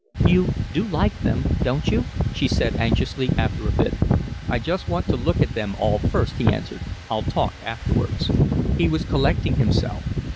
"You do like them, don't you?" she said anxiously, after a bit. "I just want to look at them all first," he answered. "I'll talk afterwards." He was collecting himself.